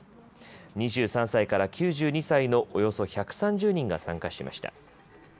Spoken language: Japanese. ２３歳から９２歳のおよそ１３０人が参加しました。